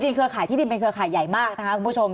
จริงที่ดินเเป็นเครือข่าวใหญ่มากคุณผู้ชม